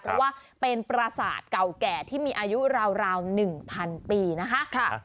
เพราะว่าเป็นประสาทเก่าแก่ที่มีอายุราว๑๐๐ปีนะคะ